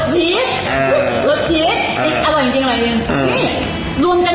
ไฟกระป๋องรสชีสรสชีสอร่อยจริงอร่อยเลย